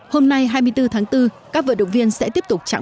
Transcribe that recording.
hôm nay hai mươi bốn tháng bốn các vận động viên sẽ tiếp tục trạng một mươi một